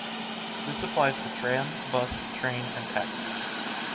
This applies to tram, bus, train and taxi.